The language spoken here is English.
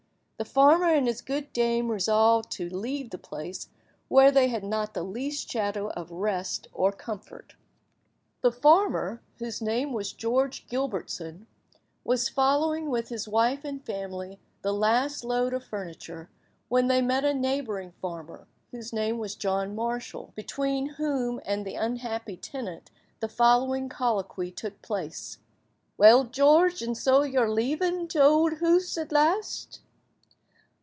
The farmer and his good dame resolved to leave a place where they had not the least shadow of rest or comfort. The farmer, whose name was George Gilbertson, was following, with his wife and family, the last load of furniture, when they met a neighbouring farmer, whose name was John Marshall, between whom and the unhappy tenant the following colloquy took place— "Well, George, and soa you're leaving t'ould hoose at last?"